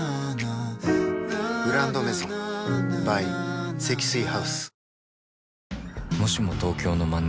「グランドメゾン」ｂｙ 積水ハウス